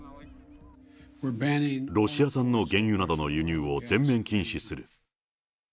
ロシア産の原油などの輸入を全面禁止する。